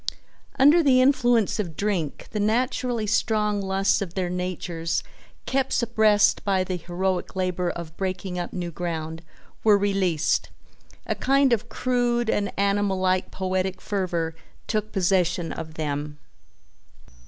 Under the influence of drink the naturally strong lusts of their natures, kept suppressed by the heroic labor of breaking up new ground, were released. A kind of crude and animal like poetic fervor took possession of them.